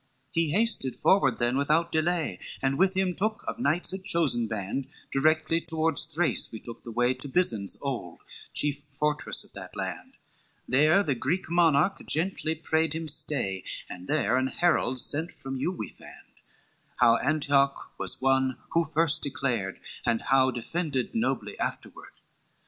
VIII "He hasted forward, then without delay, And with him took of knights a chosen band, Directly toward Thrace we took the way, To Byzance old, chief fortress of that land, There the Greek monarch gently prayed him stay, And there an herald sent from you we fand, How Antioch was won, who first declared, And how defended nobly afterward.